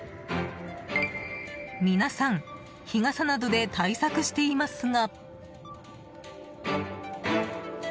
皆さん日傘などで対策していますが。